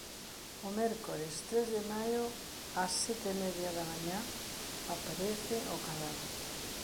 O mércores, tres de maio, ás sete e media da mañá, aparece o cadáver.